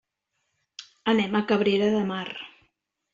Anem a Cabrera de Mar.